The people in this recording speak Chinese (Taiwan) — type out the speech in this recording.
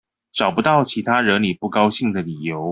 找不到其他惹你不高興的理由